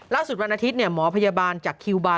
วันอาทิตย์หมอพยาบาลจากคิวบาร์